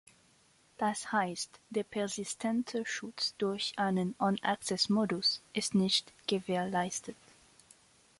Das heißt, der persistente Schutz durch einen On-Access-Modus ist nicht gewährleistet.